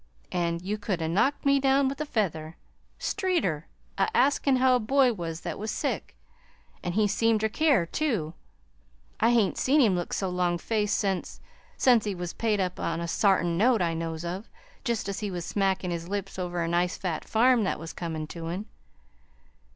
An' you could 'a' knocked me down with a feather. Streeter a askin' how a boy was that was sick! An' he seemed ter care, too. I hain't seen him look so longfaced since since he was paid up on a sartin note I knows of, jest as he was smackin' his lips over a nice fat farm that was comin' to him!